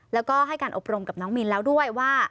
แล้วก็ให้การอบรมกับน้องมินแล้วด้วยว่า